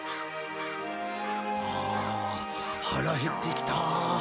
ああ腹減ってきた。